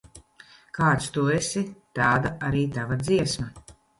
Kāds tu esi, tāda arī tava dziesma.